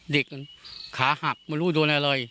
เด็กขาหักไม่รู้โดนอะไร